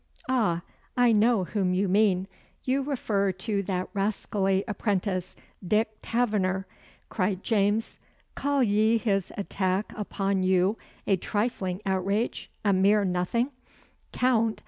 "Ah! I know whom you mean. You refer to that rascally apprentice, Dick Taverner," cried James. "Call ye his attack upon you a trifling outrage a mere nothing, Count.